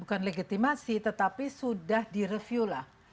bukan legitimasi tetapi sudah direview lah